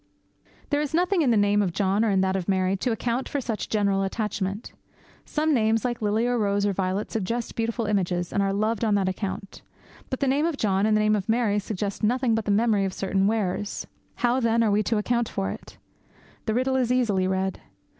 There is nothing in the name of John or in that of Mary to account for such general attachment. Some names, like Lily, or Rose, or Violet, suggest beautiful images, and are loved on that account. But the name of John and the name of Mary suggest nothing but the memory of certain wearers. How, then, are we to account for it? The riddle is easily read.